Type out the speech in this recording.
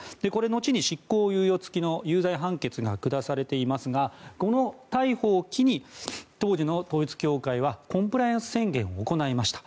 後に執行猶予付きの有罪判決が下されていますがこの逮捕を機に当時の統一教会はコンプライアンス宣言を行いました。